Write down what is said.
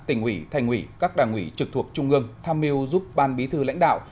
tỉnh ủy thành ủy các đảng ủy trực thuộc trung ương tham mưu giúp ban bí thư lãnh đạo